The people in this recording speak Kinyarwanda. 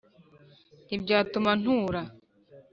Ntibyatuma ntura